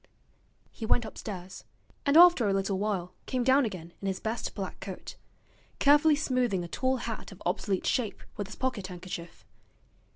He went upstairs, and after a little while came down again in his best black coat, carefully smoothing a tall hat of obsolete shape with his pocket handkerchief.